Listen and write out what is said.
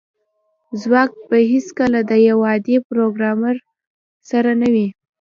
ځواک به هیڅکله د یو عادي پروګرامر سره نه وي